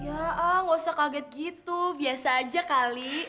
yaa gausah kaget gitu biasa aja kali